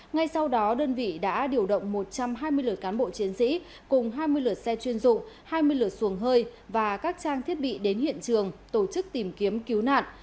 ngay sau đó đơn vị đã điều động một trăm hai mươi lượt cán bộ chiến sĩ cùng hai mươi lượt xe chuyên dụng hai mươi lượt xuồng hơi và các trang thiết bị đến hiện trường tổ chức tìm kiếm cứu nạn